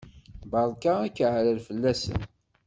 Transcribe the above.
Berka akaɛrer fell-asen!